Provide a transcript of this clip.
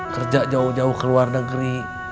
kerja jauh jauh ke luar negeri